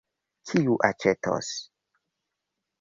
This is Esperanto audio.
Kiu aĉetos?